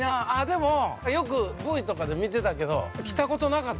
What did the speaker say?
◆でもよく、Ｖとかで見てたけど、来たことなかった。